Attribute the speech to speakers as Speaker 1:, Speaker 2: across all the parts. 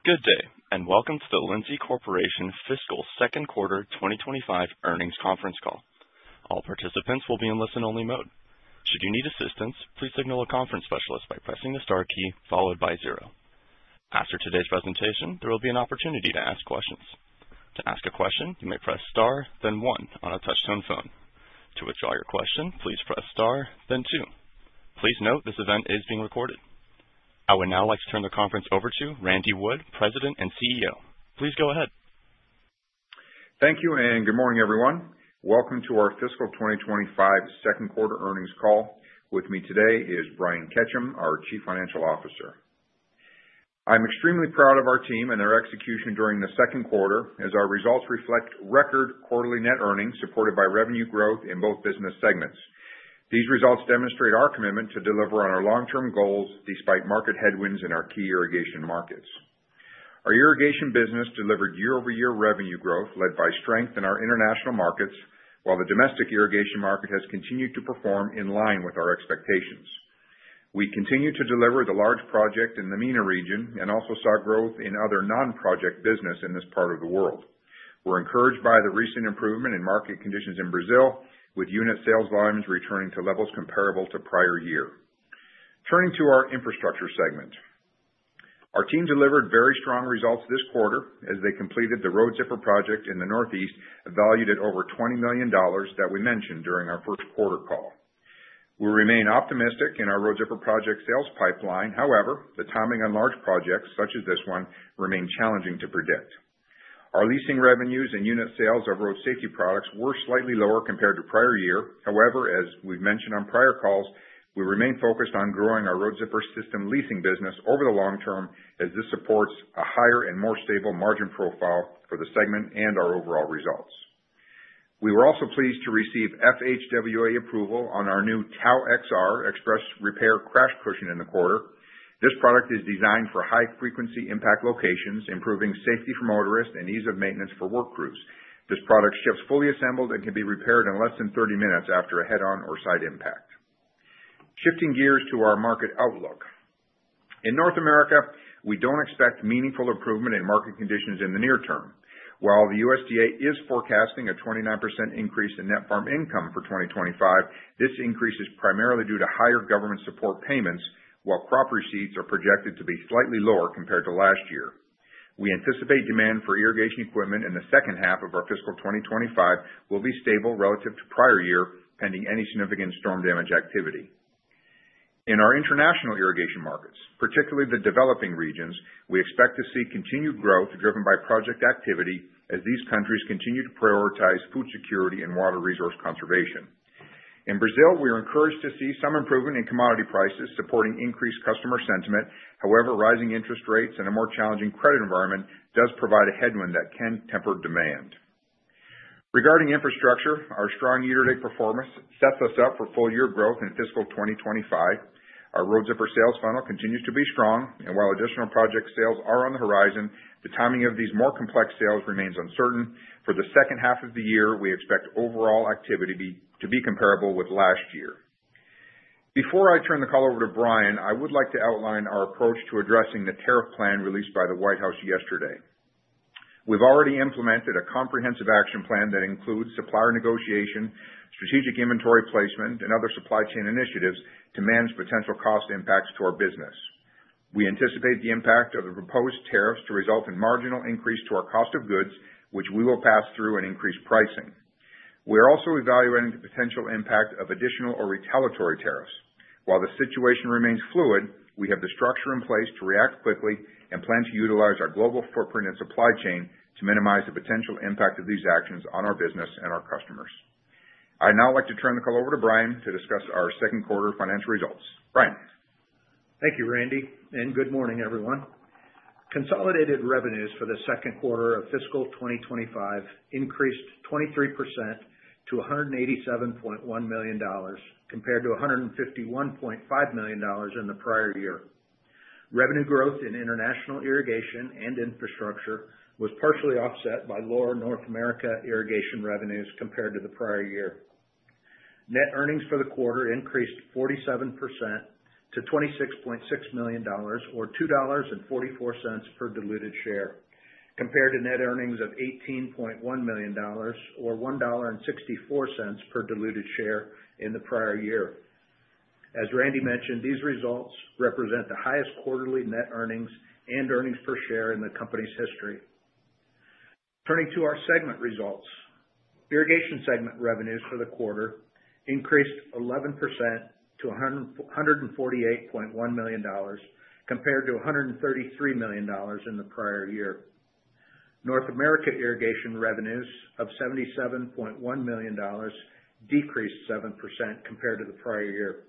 Speaker 1: Good day, and welcome to the Lindsay Corporation Fiscal Second Quarter 2025 earnings conference call. All participants will be in listen-only mode. Should you need assistance, please signal a conference specialist by pressing the star key followed by zero. After today's presentation, there will be an opportunity to ask questions. To ask a question, you may press star, then one on a touch-tone phone. To withdraw your question, please press star, then two. Please note this event is being recorded. I would now like to turn the conference over to Randy Wood, President and CEO. Please go ahead.
Speaker 2: Thank you, and good morning, everyone. Welcome to our Fiscal 2025 second quarter earnings call. With me today is Brian Ketcham, our Chief Financial Officer. I'm extremely proud of our team and their execution during the second quarter, as our results reflect record quarterly net earnings supported by revenue growth in both business segments. These results demonstrate our commitment to deliver on our long-term goals despite market headwinds in our key irrigation markets. Our irrigation business delivered year-over-year revenue growth led by strength in our international markets, while the domestic irrigation market has continued to perform in line with our expectations. We continue to deliver the large project in the MENA region and also saw growth in other non-project business in this part of the world. We're encouraged by the recent improvement in market conditions in Brazil, with unit sales volumes returning to levels comparable to prior year. Turning to our infrastructure segment, our team delivered very strong results this quarter as they completed the Road Zipper project in the Northeast, valued at over $20 million that we mentioned during our first quarter call. We remain optimistic in our Road Zipper project sales pipeline; however, the timing on large projects such as this one remains challenging to predict. Our leasing revenues and unit sales of road safety products were slightly lower compared to prior year; however, as we've mentioned on prior calls, we remain focused on growing our Road Zipper System leasing business over the long term as this supports a higher and more stable margin profile for the segment and our overall results. We were also pleased to receive FHWA approval on our new TAU-XR Xpress Repair Crash Cushion in the quarter. This product is designed for high-frequency impact locations, improving safety for motorists and ease of maintenance for work crews. This product ships fully assembled and can be repaired in less than 30 minutes after a head-on or side impact. Shifting gears to our market outlook, in North America, we do not expect meaningful improvement in market conditions in the near term. While the USDA is forecasting a 29% increase in net farm income for 2025, this increase is primarily due to higher government support payments, while crop receipts are projected to be slightly lower compared to last year. We anticipate demand for irrigation equipment in the second half of our fiscal 2025 will be stable relative to prior year, pending any significant storm damage activity. In our international irrigation markets, particularly the developing regions, we expect to see continued growth driven by project activity as these countries continue to prioritize food security and water resource conservation. In Brazil, we are encouraged to see some improvement in commodity prices supporting increased customer sentiment; however, rising interest rates and a more challenging credit environment do provide a headwind that can temper demand. Regarding infrastructure, our strong year-to-date performance sets us up for full-year growth in fiscal 2025. Our Road Zipper sales funnel continues to be strong, and while additional project sales are on the horizon, the timing of these more complex sales remains uncertain. For the second half of the year, we expect overall activity to be comparable with last year. Before I turn the call over to Brian, I would like to outline our approach to addressing the tariff plan released by the White House yesterday. We've already implemented a comprehensive action plan that includes supplier negotiation, strategic inventory placement, and other supply chain initiatives to manage potential cost impacts to our business. We anticipate the impact of the proposed tariffs to result in a marginal increase to our cost of goods, which we will pass through an increased pricing. We are also evaluating the potential impact of additional or retaliatory tariffs. While the situation remains fluid, we have the structure in place to react quickly and plan to utilize our global footprint and supply chain to minimize the potential impact of these actions on our business and our customers. I'd now like to turn the call over to Brian to discuss our second quarter financial results. Brian.
Speaker 3: Thank you, Randy, and good morning, everyone. Consolidated revenues for the second quarter of fiscal 2025 increased 23% to $187.1 million compared to $151.5 million in the prior year. Revenue growth in international irrigation and infrastructure was partially offset by lower North America irrigation revenues compared to the prior year. Net earnings for the quarter increased 47% to $26.6 million, or $2.44 per diluted share, compared to net earnings of $18.1 million, or $1.64 per diluted share in the prior year. As Randy mentioned, these results represent the highest quarterly net earnings and earnings per share in the company's history. Turning to our segment results, irrigation segment revenues for the quarter increased 11% to $148.1 million compared to $133 million in the prior year. North America irrigation revenues of $77.1 million decreased 7% compared to the prior year.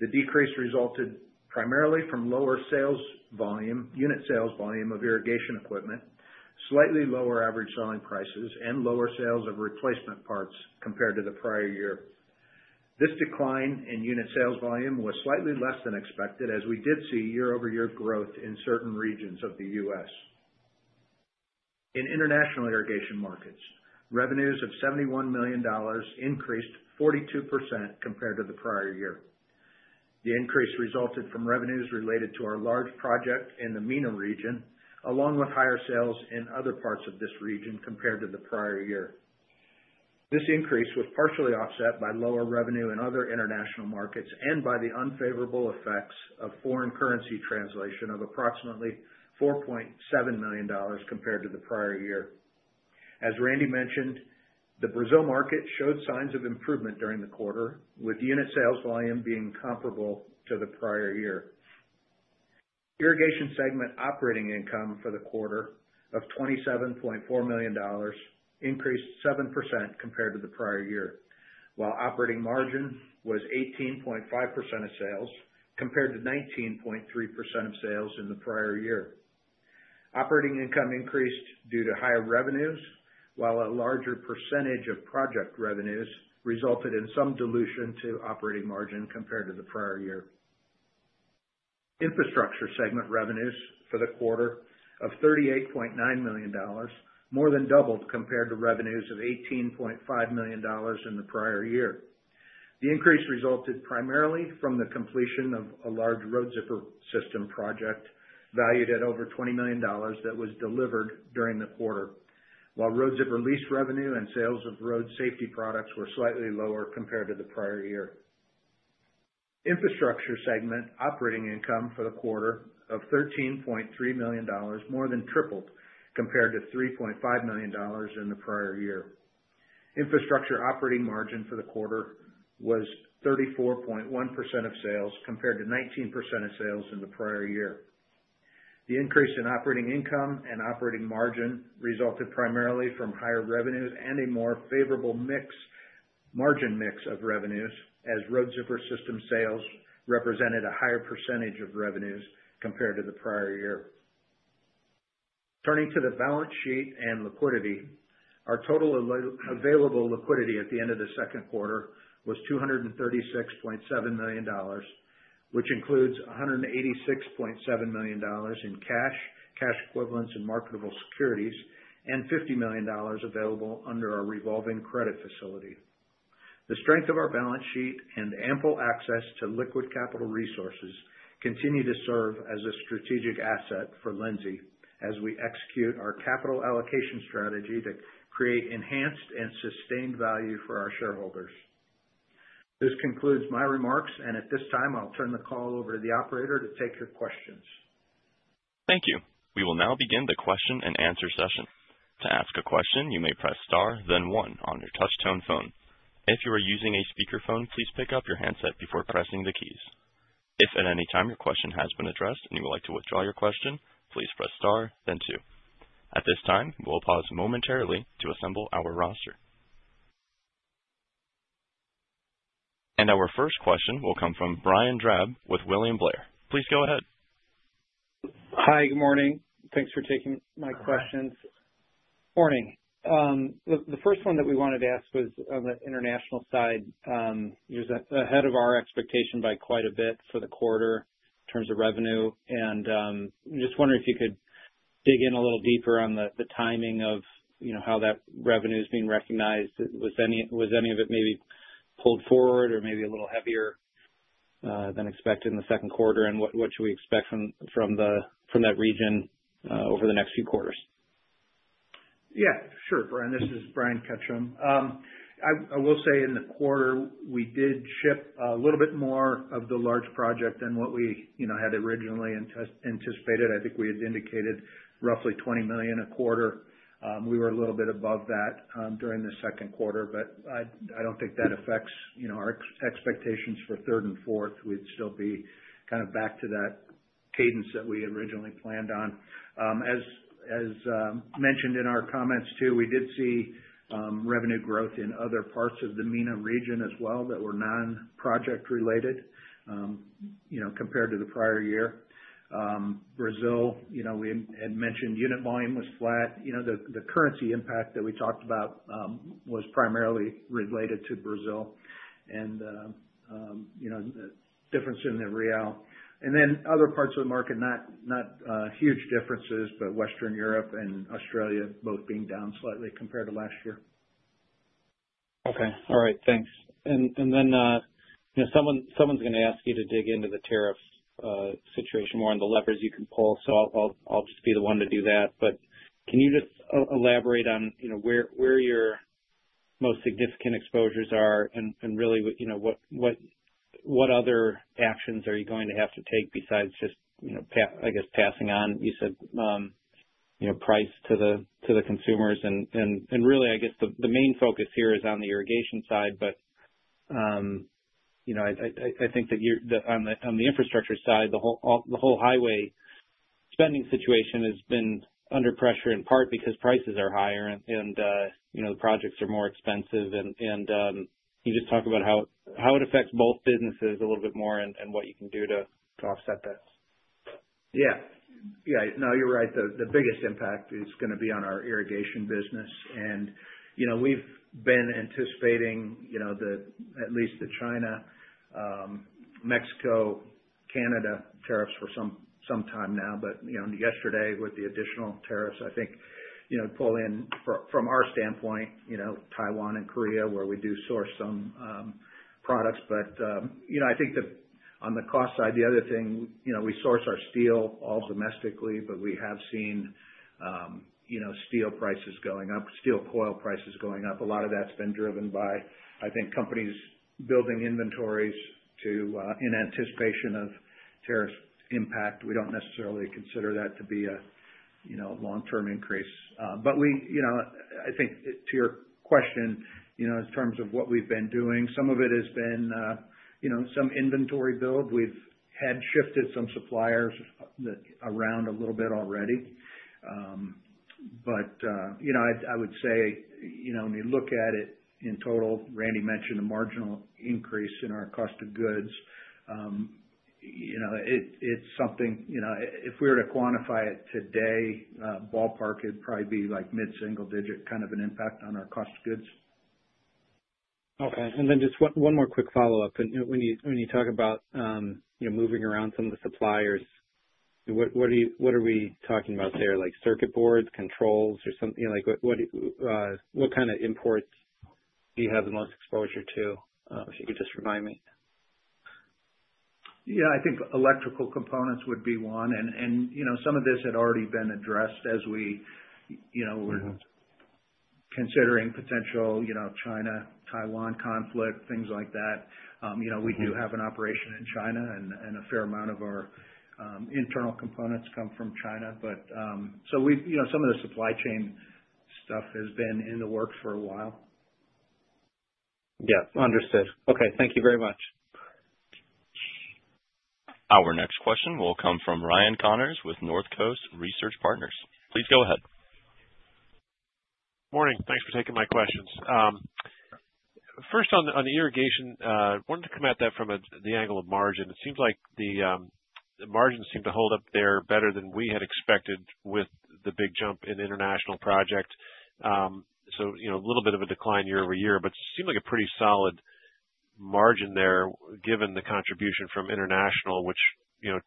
Speaker 3: The decrease resulted primarily from lower sales volume, unit sales volume of irrigation equipment, slightly lower average selling prices, and lower sales of replacement parts compared to the prior year. This decline in unit sales volume was slightly less than expected as we did see year-over-year growth in certain regions of the U.S. In international irrigation markets, revenues of $71 million increased 42% compared to the prior year. The increase resulted from revenues related to our large project in the MENA region, along with higher sales in other parts of this region compared to the prior year. This increase was partially offset by lower revenue in other international markets and by the unfavorable effects of foreign currency translation of approximately $4.7 million compared to the prior year. As Randy mentioned, the Brazil market showed signs of improvement during the quarter, with unit sales volume being comparable to the prior year. Irrigation segment operating income for the quarter of $27.4 million increased 7% compared to the prior year, while operating margin was 18.5% of sales compared to 19.3% of sales in the prior year. Operating income increased due to higher revenues, while a larger percentage of project revenues resulted in some dilution to operating margin compared to the prior year. Infrastructure segment revenues for the quarter of $38.9 million more than doubled compared to revenues of $18.5 million in the prior year. The increase resulted primarily from the completion of a large Road Zipper System project valued at over $20 million that was delivered during the quarter, while Road Zipper lease revenue and sales of road safety products were slightly lower compared to the prior year. Infrastructure segment operating income for the quarter of $13.3 million more than tripled compared to $3.5 million in the prior year. Infrastructure operating margin for the quarter was 34.1% of sales compared to 19% of sales in the prior year. The increase in operating income and operating margin resulted primarily from higher revenues and a more favorable margin mix of revenues, as Road Zipper System sales represented a higher percentage of revenues compared to the prior year. Turning to the balance sheet and liquidity, our total available liquidity at the end of the second quarter was $236.7 million, which includes $186.7 million in cash, cash equivalents, and marketable securities, and $50 million available under our revolving credit facility. The strength of our balance sheet and ample access to liquid capital resources continue to serve as a strategic asset for Lindsay as we execute our capital allocation strategy to create enhanced and sustained value for our shareholders. This concludes my remarks, and at this time, I'll turn the call over to the operator to take your questions.
Speaker 1: Thank you. We will now begin the question and answer session. To ask a question, you may press star, then one on your touch-tone phone. If you are using a speakerphone, please pick up your handset before pressing the keys. If at any time your question has been addressed and you would like to withdraw your question, please press star, then two. At this time, we will pause momentarily to assemble our roster. Our first question will come from Brian Drab with William Blair. Please go ahead.
Speaker 4: Hi, good morning. Thanks for taking my questions.
Speaker 3: Hello.
Speaker 4: Morning. The first one that we wanted to ask was on the international side. You're ahead of our expectation by quite a bit for the quarter in terms of revenue, and just wondering if you could dig in a little deeper on the timing of how that revenue is being recognized. Was any of it maybe pulled forward or maybe a little heavier than expected in the second quarter, and what should we expect from that region over the next few quarters?
Speaker 3: Yeah, sure, Brian. This is Brian Ketcham. I will say in the quarter, we did ship a little bit more of the large project than what we had originally anticipated. I think we had indicated roughly $20 million a quarter. We were a little bit above that during the second quarter, but I don't think that affects our expectations for third and fourth. We'd still be kind of back to that cadence that we originally planned on. As mentioned in our comments too, we did see revenue growth in other parts of the MENA region as well that were non-project related compared to the prior year. Brazil, we had mentioned unit volume was flat. The currency impact that we talked about was primarily related to Brazil and the difference in the real. Other parts of the market, not huge differences, but Western Europe and Australia both being down slightly compared to last year.
Speaker 4: Okay. All right. Thanks. Someone's going to ask you to dig into the tariff situation more on the levers you can pull, so I'll just be the one to do that. Can you just elaborate on where your most significant exposures are and really what other actions are you going to have to take besides just, I guess, passing on, you said, price to the consumers? I guess the main focus here is on the irrigation side, but I think that on the infrastructure side, the whole highway spending situation has been under pressure in part because prices are higher and the projects are more expensive. Can you just talk about how it affects both businesses a little bit more and what you can do to offset that.
Speaker 3: Yeah. Yeah. No, you're right. The biggest impact is going to be on our irrigation business. We've been anticipating at least the China, Mexico, Canada tariffs for some time now. Yesterday with the additional tariffs, I think pulling in, from our standpoint, Taiwan and Korea where we do source some products. I think on the cost side, the other thing, we source our steel all domestically, but we have seen steel prices going up, steel coil prices going up. A lot of that's been driven by, I think, companies building inventories in anticipation of tariff impact. We don't necessarily consider that to be a long-term increase. I think to your question, in terms of what we've been doing, some of it has been some inventory build. We've had shifted some suppliers around a little bit already. I would say when you look at it in total, Randy mentioned a marginal increase in our cost of goods. It's something if we were to quantify it today, ballpark, it'd probably be like mid-single digit kind of an impact on our cost of goods.
Speaker 4: Okay. Just one more quick follow-up. When you talk about moving around some of the suppliers, what are we talking about there? Like circuit boards, controls, or something? What kind of imports do you have the most exposure to? If you could just remind me.
Speaker 3: Yeah. I think electrical components would be one. Some of this had already been addressed as we were considering potential China-Taiwan conflict, things like that. We do have an operation in China, and a fair amount of our internal components come from China. Some of the supply chain stuff has been in the works for a while.
Speaker 4: Yes. Understood. Okay. Thank you very much.
Speaker 1: Our next question will come from Ryan Connors with Northcoast Research Partners. Please go ahead.
Speaker 5: Morning. Thanks for taking my questions. First, on the irrigation, I wanted to come at that from the angle of margin. It seems like the margins seem to hold up there better than we had expected with the big jump in international projects. A little bit of a decline year over year, but it seemed like a pretty solid margin there given the contribution from international, which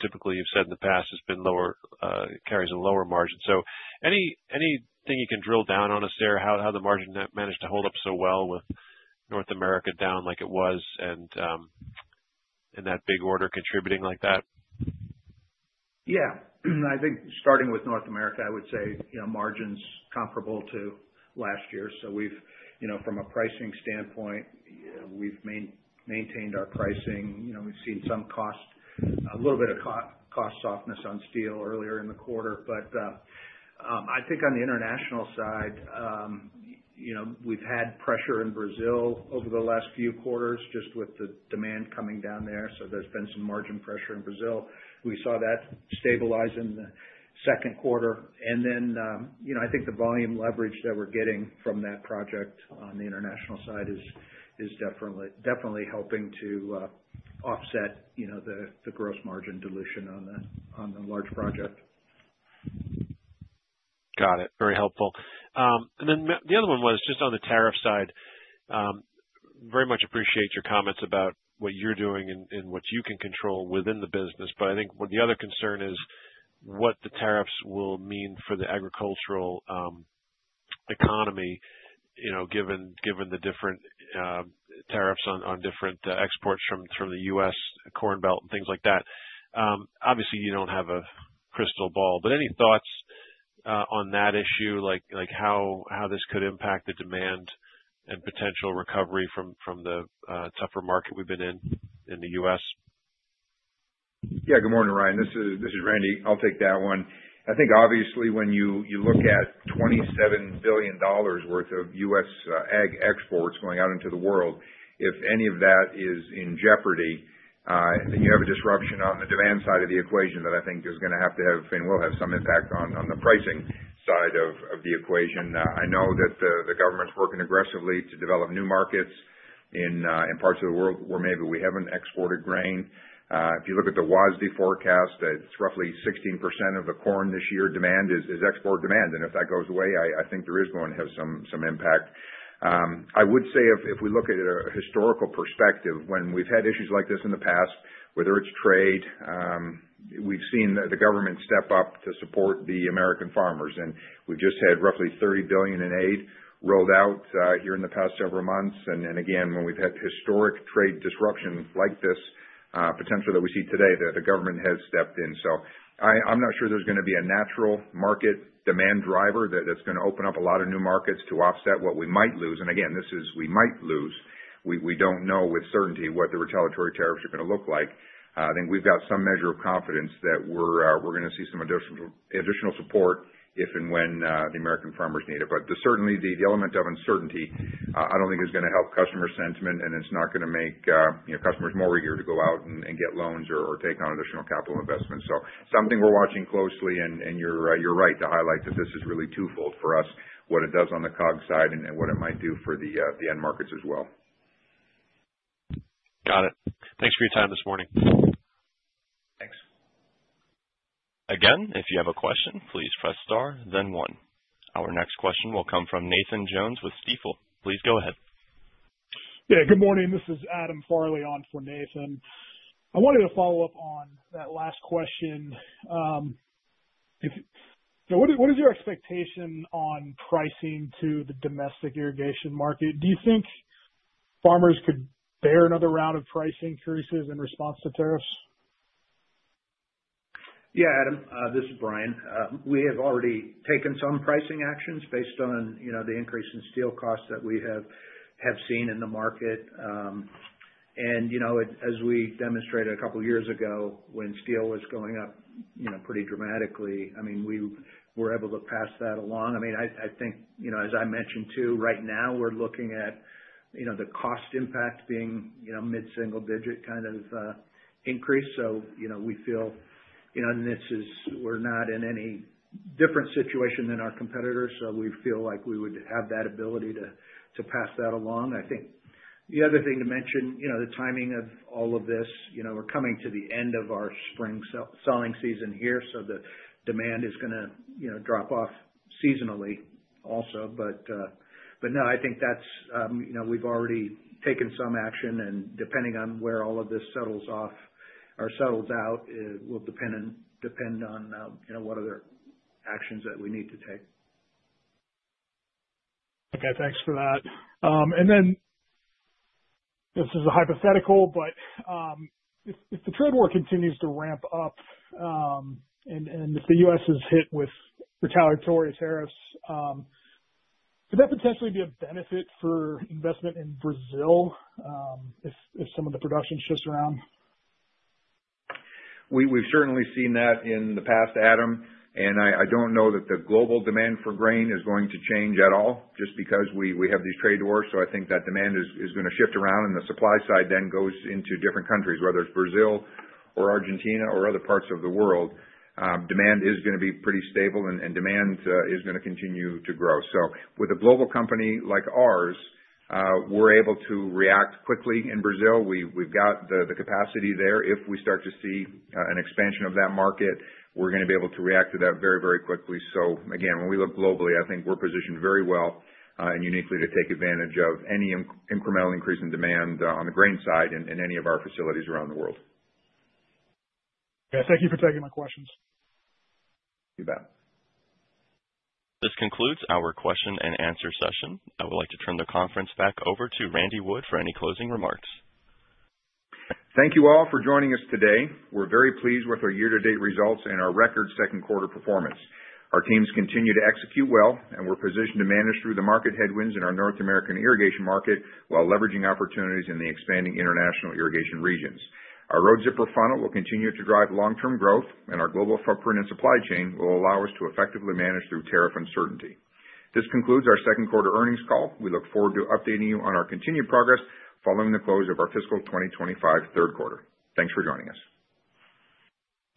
Speaker 5: typically you've said in the past has been lower, carries a lower margin. Anything you can drill down on us there? How did the margin manage to hold up so well with North America down like it was and that big order contributing like that?
Speaker 3: Yeah. I think starting with North America, I would say margins comparable to last year. So from a pricing standpoint, we've maintained our pricing. We've seen some cost, a little bit of cost softness on steel earlier in the quarter. I think on the international side, we've had pressure in Brazil over the last few quarters just with the demand coming down there. So there's been some margin pressure in Brazil. We saw that stabilize in the second quarter. I think the volume leverage that we're getting from that project on the international side is definitely helping to offset the gross margin dilution on the large project.
Speaker 5: Got it. Very helpful. The other one was just on the tariff side. Very much appreciate your comments about what you're doing and what you can control within the business. I think the other concern is what the tariffs will mean for the agricultural economy given the different tariffs on different exports from the U.S., Corn Belt, and things like that. Obviously, you don't have a crystal ball. Any thoughts on that issue, like how this could impact the demand and potential recovery from the tougher market we've been in in the U.S.?
Speaker 2: Yeah. Good morning, Ryan. This is Randy. I'll take that one. I think obviously when you look at $27 billion worth of U.S. ag exports going out into the world, if any of that is in jeopardy, you have a disruption on the demand side of the equation that I think is going to have to have and will have some impact on the pricing side of the equation. I know that the government's working aggressively to develop new markets in parts of the world where maybe we haven't exported grain. If you look at the WASDE forecast, it's roughly 16% of the corn this year demand is export demand. And if that goes away, I think there is going to have some impact. I would say if we look at a historical perspective, when we've had issues like this in the past, whether it's trade, we've seen the government step up to support the American farmers. We've just had roughly $30 billion in aid rolled out here in the past several months. When we've had historic trade disruption like this, potentially that we see today, the government has stepped in. I'm not sure there's going to be a natural market demand driver that's going to open up a lot of new markets to offset what we might lose. This is we might lose. We don't know with certainty what the retaliatory tariffs are going to look like. I think we've got some measure of confidence that we're going to see some additional support if and when the American farmers need it. Certainly, the element of uncertainty, I don't think is going to help customer sentiment, and it's not going to make customers more eager to go out and get loans or take on additional capital investments. Something we're watching closely, and you're right to highlight that this is really twofold for us, what it does on the COGS side and what it might do for the end markets as well.
Speaker 5: Got it. Thanks for your time this morning.
Speaker 3: Thanks.
Speaker 1: Again, if you have a question, please press star, then one. Our next question will come from Nathan Jones with Stifel. Please go ahead.
Speaker 6: Yeah. Good morning. This is Adam Farley on for Nathan. I wanted to follow up on that last question. What is your expectation on pricing to the domestic irrigation market? Do you think farmers could bear another round of price increases in response to tariffs?
Speaker 3: Yeah, Adam. This is Brian. We have already taken some pricing actions based on the increase in steel costs that we have seen in the market. As we demonstrated a couple of years ago when steel was going up pretty dramatically, I mean, we were able to pass that along. I mean, I think, as I mentioned too, right now we're looking at the cost impact being mid-single digit kind of increase. We feel, and this is, we're not in any different situation than our competitors, so we feel like we would have that ability to pass that along. I think the other thing to mention, the timing of all of this, we're coming to the end of our spring selling season here, so the demand is going to drop off seasonally also. I think that we've already taken some action, and depending on where all of this settles off or settles out, it will depend on what other actions that we need to take.
Speaker 6: Okay. Thanks for that. This is a hypothetical, but if the trade war continues to ramp up and if the U.S. is hit with retaliatory tariffs, could that potentially be a benefit for investment in Brazil if some of the production shifts around?
Speaker 2: We've certainly seen that in the past, Adam. I don't know that the global demand for grain is going to change at all just because we have these trade wars. I think that demand is going to shift around, and the supply side then goes into different countries, whether it's Brazil or Argentina or other parts of the world. Demand is going to be pretty stable, and demand is going to continue to grow. With a global company like ours, we're able to react quickly in Brazil. We've got the capacity there. If we start to see an expansion of that market, we're going to be able to react to that very, very quickly. Again, when we look globally, I think we're positioned very well and uniquely to take advantage of any incremental increase in demand on the grain side in any of our facilities around the world.
Speaker 6: Okay. Thank you for taking my questions.
Speaker 2: You bet.
Speaker 1: This concludes our question and answer session. I would like to turn the conference back over to Randy Wood for any closing remarks.
Speaker 2: Thank you all for joining us today. We're very pleased with our year-to-date results and our record second quarter performance. Our teams continue to execute well, and we're positioned to manage through the market headwinds in our North American irrigation market while leveraging opportunities in the expanding international irrigation regions. Our Road Zipper funnel will continue to drive long-term growth, and our global footprint and supply chain will allow us to effectively manage through tariff uncertainty. This concludes our second quarter earnings call. We look forward to updating you on our continued progress following the close of our fiscal 2025 third quarter. Thanks for joining us.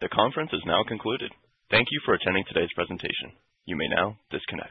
Speaker 1: The conference is now concluded. Thank you for attending today's presentation. You may now disconnect.